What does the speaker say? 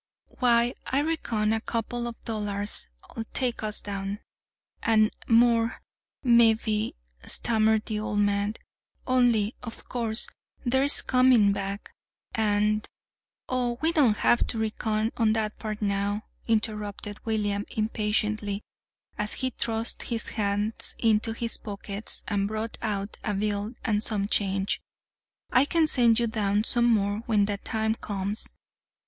"Why, I reckon a couple of dollars'll take us down, an' more, mebbe," stammered the old man, "only, of course, there's comin' back, and " "Oh, we don't have to reckon on that part now," interrupted William impatiently, as he thrust his hands into his pockets and brought out a bill and some change. "I can send you down some more when that time comes.